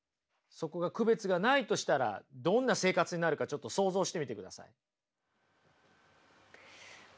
そこが区別がないとしたらどんな生活になるかちょっと想像してみてください。